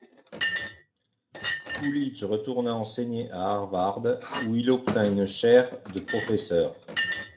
Coolidge retourna enseigner à Harvard, où il obtint une chaire de professeur.